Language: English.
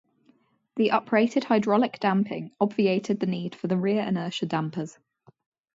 The uprated hydraulic damping obviated the need for the rear inertia dampers.